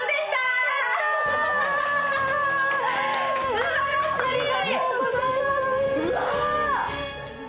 すばらしいわ！